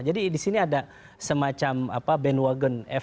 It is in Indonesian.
jadi di sini ada semacam bandwagon